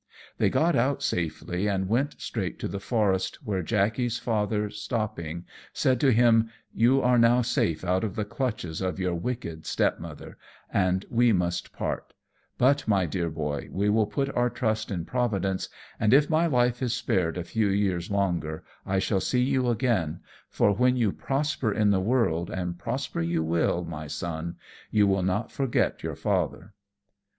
They got out safely and went straight to the forest, where Jackey's Father stopping, said to him, "You are now safe out of the clutches of your wicked stepmother, and we must part; but, my dear Boy, we will put our trust in Providence, and, if my life is spared a few years longer, I shall see you again, for when you prosper in the world, and prosper you will, my Son, you will not forget your old father."